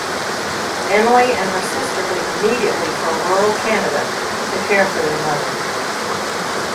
Emily and her sister leave immediately for rural Canada to care for their mother.